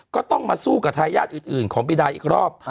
ก็ต้องมาสู้กับทายาทอื่นของบีดาอีกรอบ